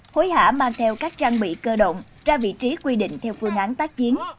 hối hả mang theo các trang bị cơ động ra vị trí quy định theo phương án tác chiến